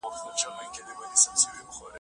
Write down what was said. د ښار یوازینۍ هټۍ